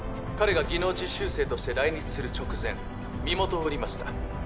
彼が技能実習生として来日する直前身元を売りました